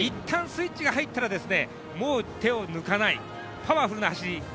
一旦スイッチが入ったらもう手を抜かない、パワフルな走り